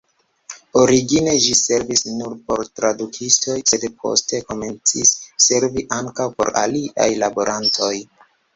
Origine ĝi servis nur por tradukistoj, sed poste komencis servi ankaŭ por aliaj laborantoj.